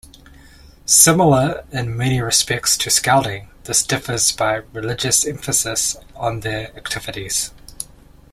Similar in many respects to Scouting, this differs by religious emphasis on their activities.